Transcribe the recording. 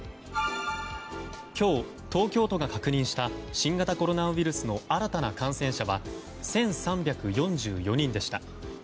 今日、東京都が確認した新型コロナウイルスの新たな感染者は１３４４人でした。